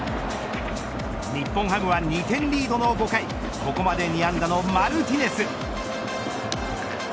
日本ハムは２点リードの５回ここまで２安打のマルティネス。